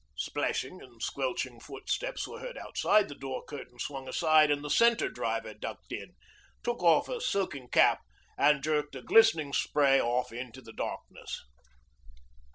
Splashing and squelching footsteps were heard outside, the door curtain swung aside, and the Centre Driver ducked in, took off a soaking cap, and jerked a glistening spray off it into the darkness.